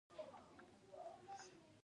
ایا ستاسو تګ د خفګان سبب نه دی؟